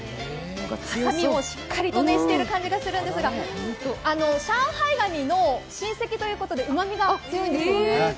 はさみもしっかりとしている感じがするんですが、上海ガニの親戚ということで、うまみが強いんですよね？